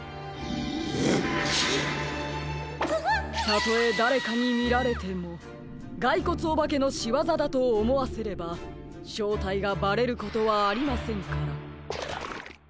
たとえだれかにみられてもがいこつおばけのしわざだとおもわせればしょうたいがバレることはありませんから。